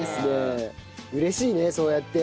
嬉しいねそうやって。